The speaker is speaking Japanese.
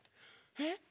えっ？